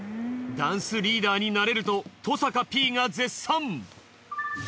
ダンスリーダーになれると登坂Ｐが絶賛！